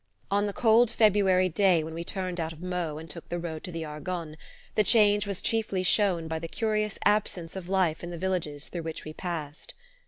On the cold February day when we turned out of Meaux and took the road to the Argonne, the change was chiefly shown by the curious absence of life in the villages through which we passed.